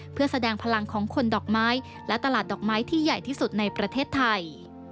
เพื่อแสดงพลังของคนดอกไม้และตลาดดอกไม้ที่ใหญ่ที่สุดในประเทศไทย